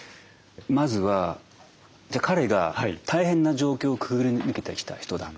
まずは「彼が大変な状況をくぐり抜けてきた人だ。